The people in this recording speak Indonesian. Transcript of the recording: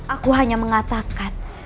aku hanya mengatakan